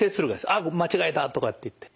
あっ間違えたとかっていって。